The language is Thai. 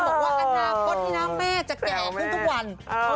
บอกว่าอนาคตนี้นะแม่จะแก่ขึ้นทุกวัน